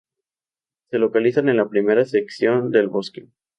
Se localizan en la primera sección del bosque.